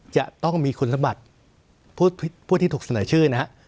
จะต้องมีคุณสมบัติผู้ที่ถูกเสนอชื่อนะฮะ